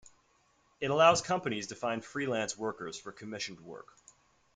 It allows companies to find freelance workers for commissioned work.